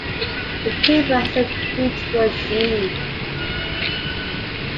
The timber has a beautiful sheen.